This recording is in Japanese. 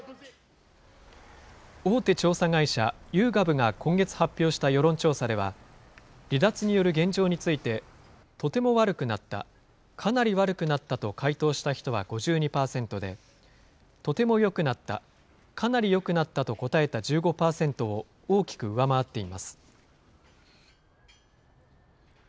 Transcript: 大手調査会社、ユーガブが今月発表した世論調査では、離脱による現状について、とても悪くなった、かなり悪くなったと回答した人は５２％で、とてもよくなった、かなりよくなったと答えた１５％を、大きく上回っています。